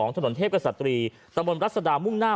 ถนนเทพกับสตรีตรรัศดามุ่งหน้า